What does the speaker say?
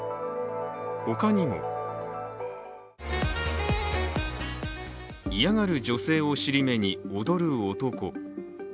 他にも嫌がる女性を尻目に踊る男。